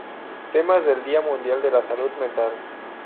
Temas del Día Mundial de la Salud Mental